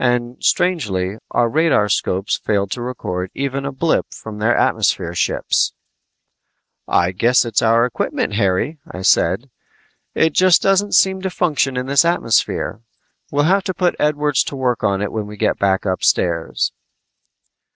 And strangely, our radarscopes failed to record even a blip from their atmosphere ships! "I guess it's our equipment, Harry," I said. "It just doesn't seem to function in this atmosphere. We'll have to put Edwards to work on it when we go back upstairs."